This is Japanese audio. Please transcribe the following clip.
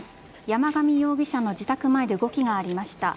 山上容疑者の自宅前で動きがありました。